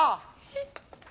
えっ。